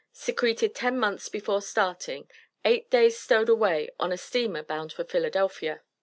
SECRETED TEN MONTHS BEFORE STARTING EIGHT DAYS STOWED AWAY ON A STEAMER BOUND FOR PHILADELPHIA.